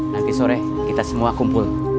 nanti sore kita semua kumpul